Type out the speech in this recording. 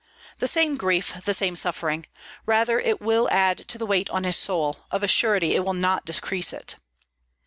the same grief, the same suffering, rather it will add to the weight on his soul; of a surety it will not decrease it.